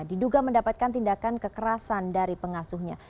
diduga mendapatkan tindakan kekerasan dari pengasuhnya